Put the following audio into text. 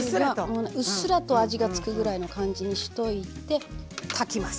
うっすらと味が付くぐらいの感じにしといてかきます。